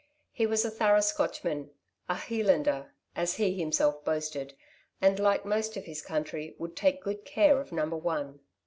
He was a thorough Scotchman, '' a Heelander,'' as he himself boasted, and like most of his country, would take good care of number one.